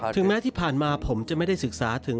ถึงแม้ที่ผ่านมาผมจะไม่ได้ศึกษาถึง